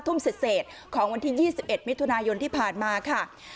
ทุ่มเสร็จของวันที่๒๑มิถุนายนที่ผ่านมาค่ะ